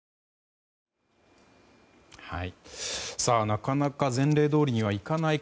なかなか前例どおりにはいかない